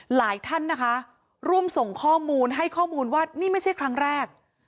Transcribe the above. หลายท่านนะคะร่วมส่งข้อมูลให้ข้อมูลว่านี่ไม่ใช่ครั้งแรก